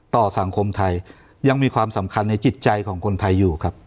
สังคมไทยยังมีความสำคัญในจิตใจของคนไทยอยู่ครับ